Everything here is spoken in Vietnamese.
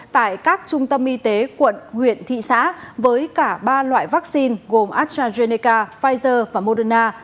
tại các trung tâm y tế quận huyện thị xã với cả ba loại vaccine gồm astrazeneca pfizer và moderna